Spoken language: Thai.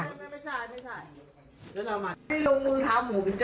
อาจจะบอกว่าเราไม่ได้อุ้มรูปอย่างบ้าง